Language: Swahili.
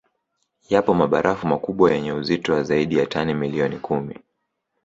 Yapo mabarafu makubwa yenye uzito wa zaidi ya tani milioni kumi